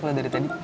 kalau dari tadi